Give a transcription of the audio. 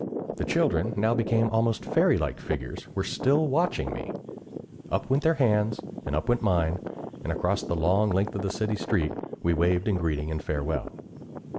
The children, now become almost fairy like figures, were still watching me. Up went their hands and up went mine, and across the long length of city street, we waved in greeting and farewell.